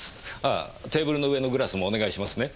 ああテーブルの上のグラスもお願いしますね。